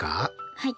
はい。